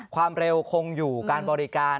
ความเร็วคงอยู่การบริการ